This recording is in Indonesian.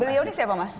beliau ini siapa mas